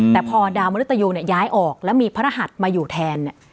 แต่พอดาวมริตยูเนี่ยย้ายออกแล้วมีพระรหัสมาอยู่แทนเนี่ย